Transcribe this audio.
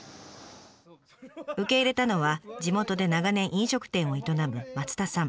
受け入れたのは地元で長年飲食店を営む枩田さん。